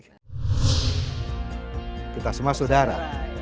kita semua saudara